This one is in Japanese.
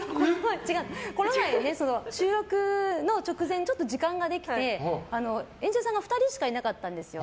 この前、収録の直前にちょっと時間ができて演者さんが２人しかいなかったんですよ。